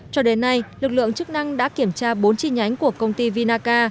cho đến nay lực lượng chức năng đã kiểm tra bốn chi nhánh của công ty vinaca